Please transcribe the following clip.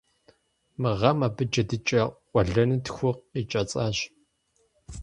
Мы гъэм абы джэдыкӀэ къуэлэну тху къикӀэцӀащ.